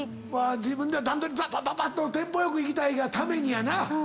自分では段取りパッパッとテンポ良くいきたいがためにやな。